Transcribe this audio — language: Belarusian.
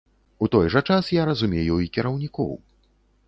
У той жа час я разумею і кіраўнікоў.